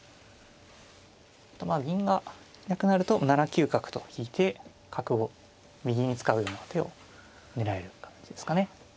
銀がいなくなると７九角と引いて角を右に使うような手を狙える形ですかね。